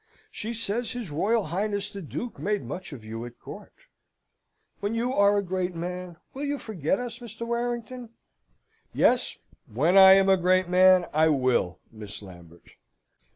She says his Royal Highness the Duke made much of you at court. When you are a great man will you forget us, Mr. Warrington?" "Yes, when I am a great man I will, Miss Lambert."